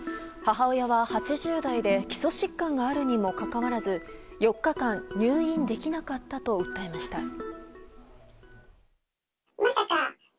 母親は８０代で基礎疾患があるにもかかわらず４日間入院できなかったと訴えました。